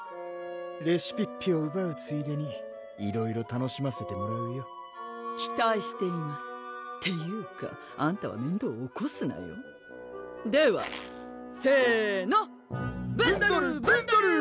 レシピッピをうばうついでにいろいろ楽しませてもらうよ期待していますっていうかあんたは面倒起こすなよではせのブンドルブンドルー！